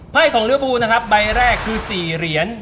ภายของลิเวอร์ฟูนะครับใบแรกคือ๔เหรียญ